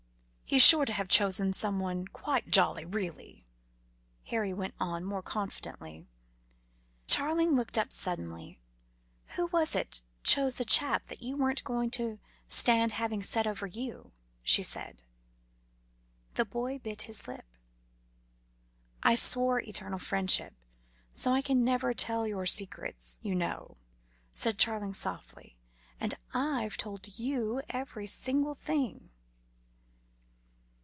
"He's sure to have chosen someone quite jolly, really," Harry went on, more confidently. Charling looked up suddenly. "Who was it chose the chap that you weren't going to stand having set over you?" she said. The boy bit his lip. "I swore eternal friendship, so I can never tell your secrets, you know," said Charling softly, "and I've told you every single thing."